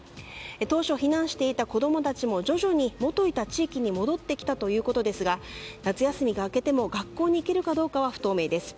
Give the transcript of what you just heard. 当初、避難していた子供たちも徐々にもといた地域に戻ってきたということですが夏休みが明けても学校に行けるかどうかは不透明です。